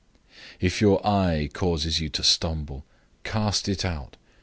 009:047 If your eye causes you to stumble, cast it out.